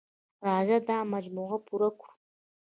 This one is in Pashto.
راځه دا مجموعه پوره کړو.